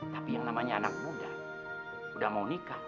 tapi yang namanya anak muda udah mau nikah